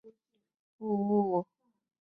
三十九年以户部左侍郎署掌部务。